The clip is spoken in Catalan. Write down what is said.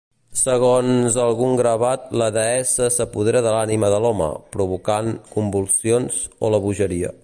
Segons algun gravat, la deessa s'apodera de l'ànima de l'home, provocant convulsions o la bogeria.